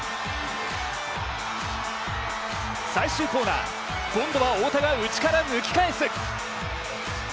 最終コーナー、今度は内から太田が抜き返す。